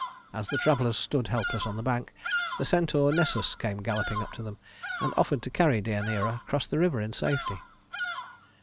As the travelers stood helpless on the bank, the centaur Nessus came galloping up to them, and offered to carry Deïaneira across the river in safety.